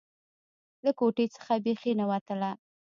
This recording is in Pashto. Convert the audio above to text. له کوټې څخه بيخي نه وتله.